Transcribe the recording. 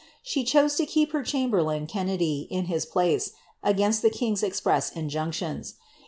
She chose to keep her chamberlain K«^ nedy in his place, agninst the king^s express injunclions.